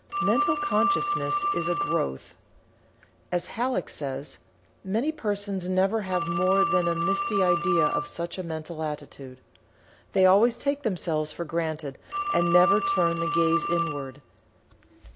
Mental Consciousness is a growth. As Halleck says, "Many persons never have more than a misty idea of such a mental attitude. They always take themselves for granted, and never turn the gaze inward."